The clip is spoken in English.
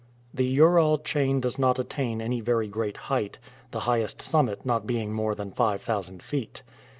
The Ural chain does not attain any very great height, the highest summit not being more than five thousand feet.